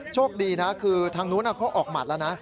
โชคดีนะคือทางนู้นเขาออกหมัดแล้วนะ